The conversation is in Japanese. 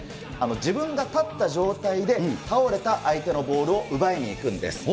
自分が立った状態で倒れた相手のボールを奪いに行くんです。